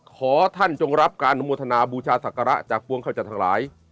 ขอท่านจงรับการมธนาบูชาศักระจากกวงเขาจากทั้งหลาย